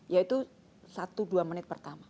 ya itu satu dua menit pertama